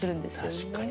確かに。